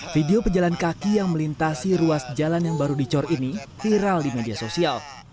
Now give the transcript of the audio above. video pejalan kaki yang melintasi ruas jalan yang baru dicor ini viral di media sosial